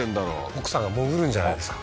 奥さんが潜るんじゃないですか？